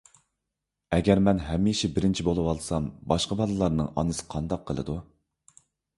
ئەگەر مەن ھەمىشە بىرىنچى بولۇۋالسام، باشقا بالىلارنىڭ ئانىسى قانداق قىلىدۇ؟